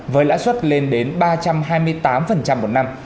với lã xuất lên đến ba trăm hai mươi tám một năm